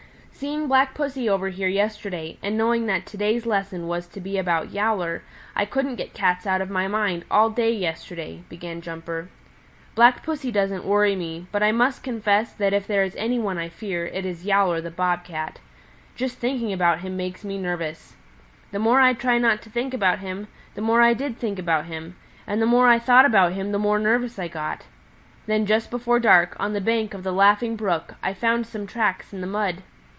"Seeing Black Pussy over here yesterday, and knowing that to day's lesson was to be about Yowler, I couldn't get cats out of my mind all day yesterday," began Jumper. "Black Pussy doesn't worry me, but I must confess that if there is any one I fear, it is Yowler the Bob Cat. Just thinking about him make me nervous. The more I tried not to think about him, the more I did think about him, and the more I thought about him, the more nervous I got. Then just before dark, on the bank of the Laughing Brook, I found some tracks in the mud.